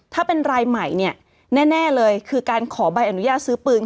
ถ้าเป็นรายใหม่เนี่ยแน่เลยคือการขอใบอนุญาตซื้อปืน